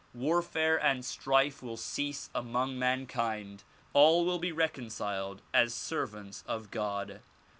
Warfare and strife will cease among mankind ; all will be reconciled as servants of God.